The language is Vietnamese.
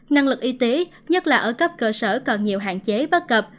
năng lực y tế nhất là ở cấp cơ sở còn nhiều hạn chế bắt cập